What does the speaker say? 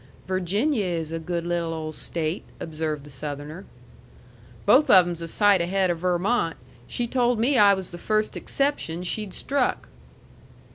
"Virginia is a good little old state," observed the Southerner. "Both of 'em's a sight ahead of Vermont. She told me I was the first exception she'd struck."